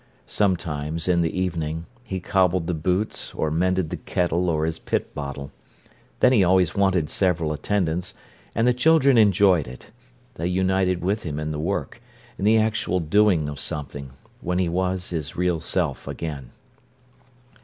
Sometimes, in the evening, he cobbled the boots or mended the kettle or his pit bottle. Then he always wanted several attendants, and the children enjoyed it. They united with him in the work, in the actual doing of something, when he was his real self again.